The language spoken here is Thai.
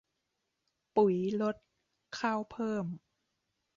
ปุ๋ยลด ข้าวเพิ่ม